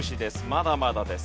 まだまだです。